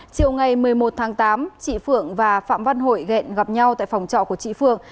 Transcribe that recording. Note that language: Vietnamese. chiều ngày một mươi một tháng tám chị phượng và phạm văn hội ghen gặp nhau tại phòng trọ của chị phương